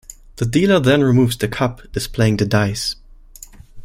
The dealer then removes the cup, displaying the dice.